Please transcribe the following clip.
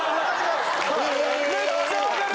めっちゃわかる！